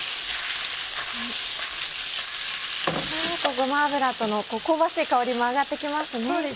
ごま油との香ばしい香りも上がって来ますね。